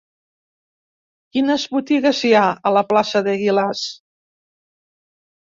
Quines botigues hi ha a la plaça d'Eguilaz?